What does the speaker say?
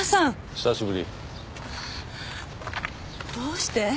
久しぶりどうして？